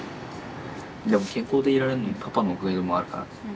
でも健康でいられるのはパパのおかげでもあるからね。